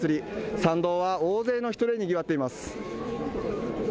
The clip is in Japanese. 参道は大勢の人でにぎわっています。